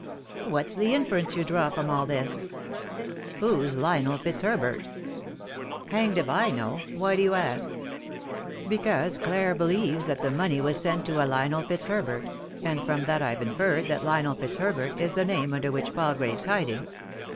"What's the inference you draw from all this ?"" Who's Lionel Fitzherbert ?"" Hanged if I know ! Why do you ask ?" "Because Clare believes that the money was sent to a Lionel Fitzherbert, and from that I've inferred that Lionel Fitzherbert is the name under which Pal grave's hiding.